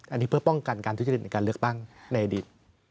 อันนี้เพื่อป้องกันการทุจริตในการเลือกตั้งในอดีต